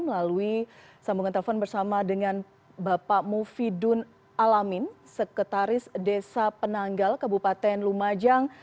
melalui sambungan telepon bersama dengan bapak mufidun alamin sekretaris desa penanggal kabupaten lumajang